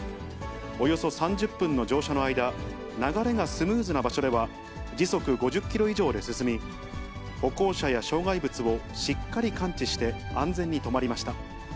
およそ３０分の乗車の間、流れがスムーズな場所では時速５０キロ以上で進み、歩行者や障害物をしっかり感知して安全に止まりました。